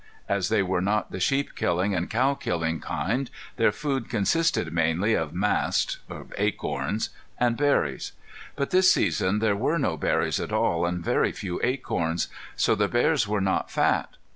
As they were not the sheep killing and cow killing kind their food consisted mainly of mast (acorns) and berries. But this season there were no berries at all, and very few acorns. So the bears were not fat.